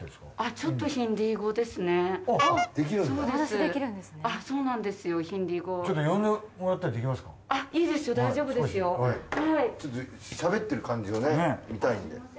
ちょっとしゃべってる感じをね見たいんで。